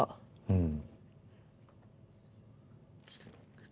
うん。